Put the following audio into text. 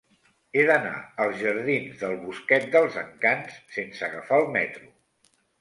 He d'anar als jardins del Bosquet dels Encants sense agafar el metro.